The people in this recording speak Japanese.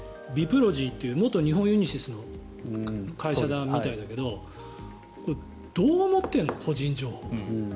ＢＩＰＲＯＧＹという元日本ユニシスの会社みたいだけどどう思っているの個人情報を。